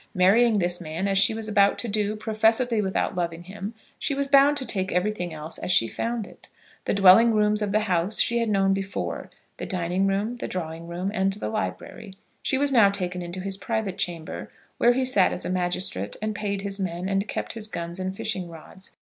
Marrying this man, as she was about to do, professedly without loving him, she was bound to take everything else as she found it. The dwelling rooms of the house she had known before; the dining room, the drawing room, and the library. She was now taken into his private chamber, where he sat as a magistrate, and paid his men, and kept his guns and fishing rods.